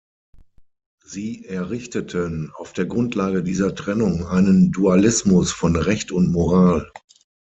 Sie errichteten auf der Grundlage dieser Trennung einen Dualismus von Recht und Moral.